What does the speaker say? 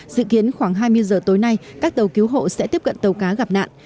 dự kiến khoảng hai mươi giờ tối nay các tàu cứu hộ sẽ tiếp cận tàu cá gặp nạn